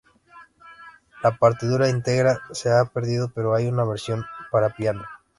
La partitura integra se ha perdido, pero hay una versión para piano.